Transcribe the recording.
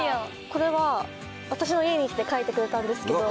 ・これは私の家に来て書いてくれたんですけど。